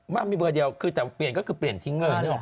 มันมีเบอร์เดียวคือแต่เปลี่ยนก็คือเปลี่ยนทิ้งเลยนึกออก